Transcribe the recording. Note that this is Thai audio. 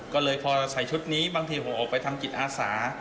ก็เลยพอเราใส่ชุดนี้บางทีผมออกไปทำจิตอาสา